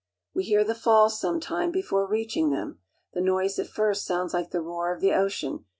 We hear the falls some time before reaching them. The I noise at first sounds like the roar of the ocean.